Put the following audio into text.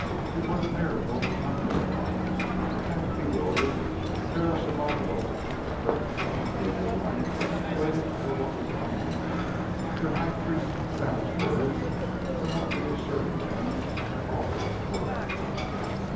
It was miracle upon miracle; half bewildered, Pharaoh Shabako and the herd of common people alike waited for what would come next, their High Priest's savage words somewhat reassuring them that all was correct.